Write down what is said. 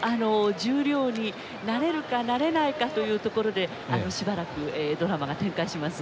十両になれるかなれないかというところでしばらくドラマが展開します。